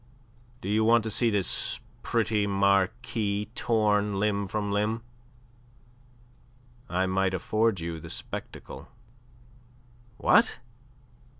Do you want to see this pretty Marquis torn limb from limb? I might afford you the spectacle." "What?"